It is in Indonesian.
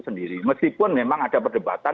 sendiri meskipun memang ada perdebatan